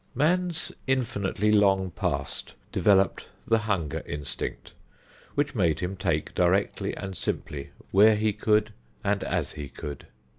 Man's infinitely long past developed the hunger instinct, which made him take directly and simply where he could and as he could.